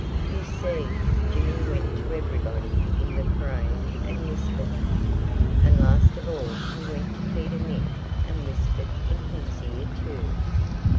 You see, Jimmy went to everybody in the parade and whispered. And last of all he went to Peter Mink and whispered in his ear, too.